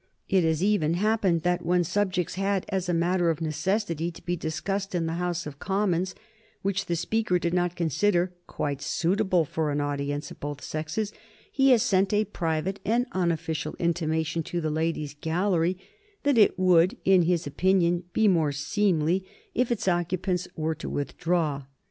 It has even happened that when subjects had, as a matter of necessity, to be discussed in the House of Commons which the Speaker did not consider quite suitable for an audience of both sexes, he has sent a private and unofficial intimation to the Ladies' Gallery that it would, in his opinion, be more seemly if its occupants were to withdraw.